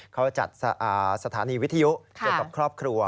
เขาจัดสถานีวิทยุกับครอบครัว